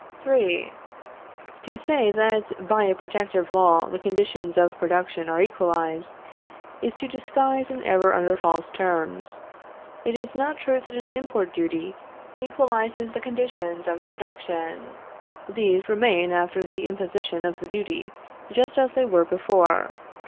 III. To say that by a protective law the conditions of production are equalized, is to disguise an error under false terms. It is not true that an import duty equalizes the conditions of production. These remain after the imposition of the duty just as they were before.